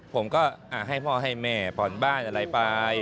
ผมก็ให้พ่อให้แม่ผ่อนบ้านอะไรไป